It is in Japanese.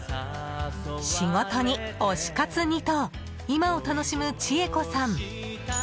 仕事に推し活にと今を楽しむ千恵子さん。